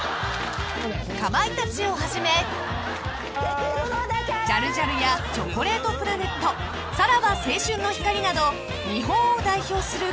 ［かまいたちをはじめジャルジャルやチョコレートプラネットさらば青春の光など日本を代表するコント師から］